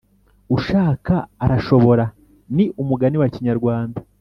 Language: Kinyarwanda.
Ushaka arashobora ni umugani wa Kinyarwanda